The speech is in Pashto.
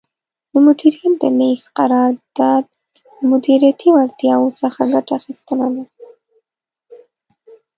د مدیریت د لیږد قرار داد د مدیریتي وړتیاوو څخه ګټه اخیستنه ده.